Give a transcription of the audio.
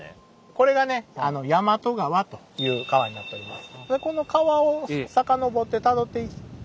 これがね「大和川」という川になっております。